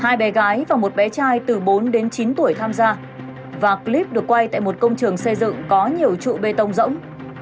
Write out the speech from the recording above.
hai bé gái và một bé trai từ bốn đến chín tuổi tham gia và clip được quay tại một công trường xây dựng có nhiều trụ bê tông rỗng